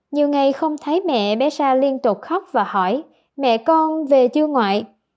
nhiều ngày không thấy mẹ bé xa liên tục khóc và hỏi mẹ con về chưa ngoại